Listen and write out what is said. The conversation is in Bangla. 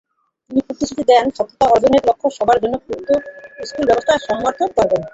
তিনি প্রতিশ্রুতি দেন, সমতা অর্জনের লক্ষ্যে সবার জন্য প্রাক্-স্কুলব্যবস্থা সমর্থন করবেন।